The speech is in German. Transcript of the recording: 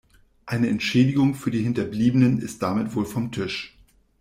Eine Entschädigung für die Hinterbliebenen ist damit wohl vom Tisch.